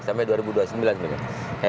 sampai dua ribu dua puluh sembilan sebenarnya